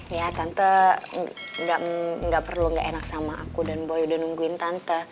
ya tante gak perlu nggak enak sama aku dan boy udah nungguin tante